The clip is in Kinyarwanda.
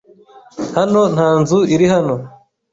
Hano nta nzu iri hano.